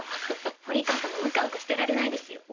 堀川さんもうかうかしてられないですよ。